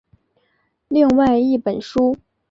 另外一本书。